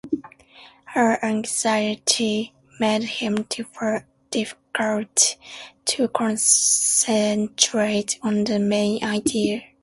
Her anxiety made him difficult to concentrate on the main idea.